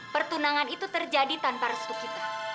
pertunangan itu terjadi tanpa restu kita